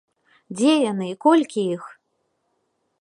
Дзе яны і колькі іх?